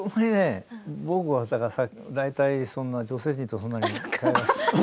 僕は大体そんなに女性陣とそんなに。